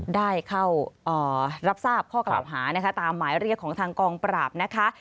ได้เข้ารับทราบข้อกล่าวหานะคะตามหมายเรียกของทางกองปราบนะคะ